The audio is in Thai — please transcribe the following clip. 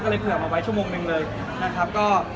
ก็เลยเผื่อมาไว้ชั่วโมงหนึ่งเลยนะครับ